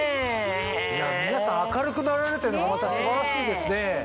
皆さん明るくなられてるのがまた素晴らしいですね。